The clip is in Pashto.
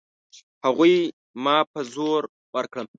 هغوی ما په زور ورکړم.